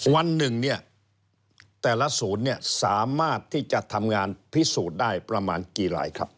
วันหนึ่งเนี่ยแต่ละศูนย์เนี่ยสามารถที่จะทำงานพิสูจน์ได้ประมาณกี่ลายครับ